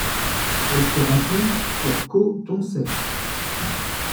Elle se rencontre sur Koh Tonsay.